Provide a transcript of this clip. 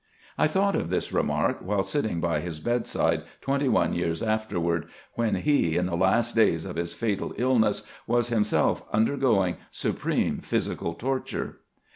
I thought of this remark while sitting by his bedside twenty one years afterward, when he, in the last days of his fatal illness, was himself undergoing supreme physical torture.